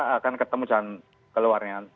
akan ketemu jalan keluarnya